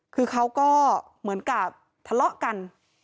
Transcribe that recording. คือเขาก็เหมือนกับทะเลาะกัน